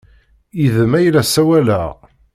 Yid-m ay la ssawaleɣ!